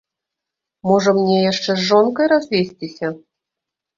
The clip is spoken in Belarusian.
Можа, мне яшчэ з жонкай развесціся?